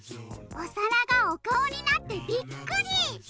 おさらがおかおになってびっくり！